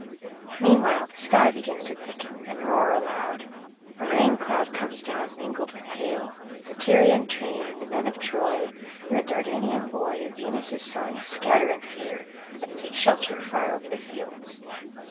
[160 194]Meanwhile the sky begins to thicken and roar aloud. A rain cloud comes down mingled with hail; the Tyrian train and the men of Troy, and the Dardanian boy of Venus' son scatter in fear, and seek shelter far over the fields.